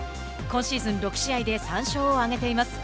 今シーズン６試合で３勝を上げています。